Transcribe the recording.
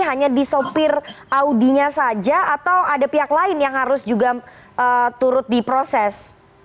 hanya di sopir audinya saja atau ada pihak lain yang harus juga turut diproses